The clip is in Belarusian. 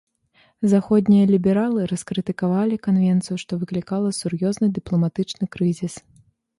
Заходнія лібералы раскрытыкавалі канвенцыю, што выклікала сур'ёзны дыпламатычны крызіс.